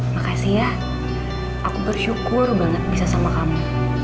makasih ya aku bersyukur banget bisa sama kamu